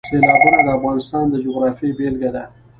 سیلابونه د افغانستان د جغرافیې بېلګه ده.